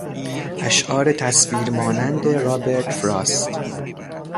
اشعار تصویر مانند رابرت فراست